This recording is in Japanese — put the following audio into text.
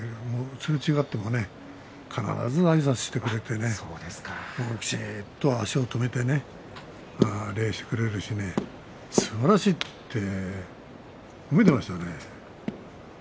すれ違っても必ずあいさつしてくれてきちんと足を止めてね礼をしてくれるしすばらしいって褒めていましたよね。